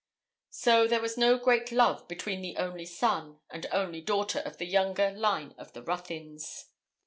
So there was no great love between the only son and only daughter of the younger line of the Ruthyns.